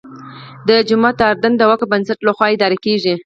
دا جومات د اردن د وقف بنسټ لخوا اداره کېږي.